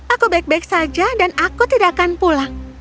aku baik baik saja dan aku tidak akan pulang